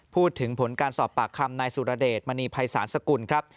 พูดถึงผลการสอบปากคำนายสุรเดชมณีภัยศาลสกุลครับ